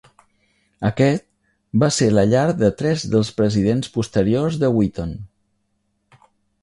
Aquest va ser la llar de tres dels presidents posteriors de Wheaton.